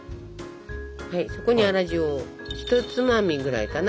はいそこに粗塩を一つまみぐらいかな。